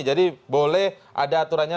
jadi boleh ada aturannya